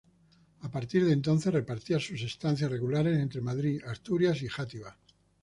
A partir de entonces repartía sus estancias regulares entre Madrid, Asturias Y Játiva.